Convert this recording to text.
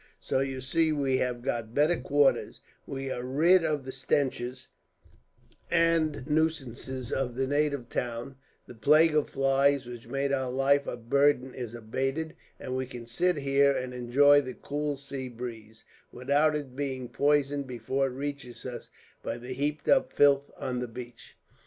So you see, we have got better quarters; we are rid of the stenches and nuisances of the native town; the plague of flies which made our life a burden is abated; and we can sit here and enjoy the cool sea breeze, without its being poisoned before it reaches us by the heaped up filth on the beach.